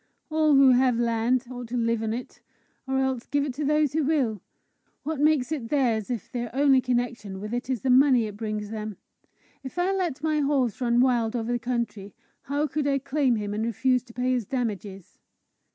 "All who have land, ought to live on it, or else give it to those who will. What makes it theirs, if their only connection with it is the money it brings them? If I let my horse run wild over the country, how could I claim him, and refuse to pay his damages?"